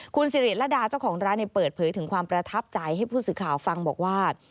คุณสิริระดาเจ้าของร้านเปิดเผยถึงความประทับใจให้ผู้สื่อข่าวฟังบอกว่า